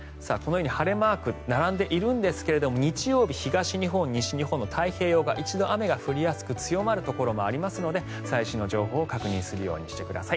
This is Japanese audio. このように晴れマークが並んでいるんですが日曜日、太平洋側で雨が降りやすく強まるところもありますので最新の情報を確認するようにしてください。